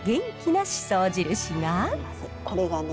これがね